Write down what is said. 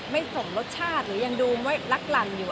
ไม่สมรสชาติหรือยังดูไม่รักหลั่นอยู่